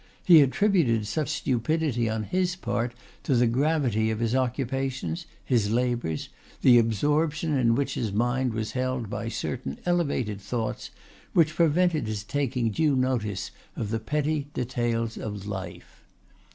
He attributed such stupidity on his part to the gravity of his occupations, his labors, the absorption in which his mind was held by certain elevated thoughts which prevented his taking due notice of the petty details of life."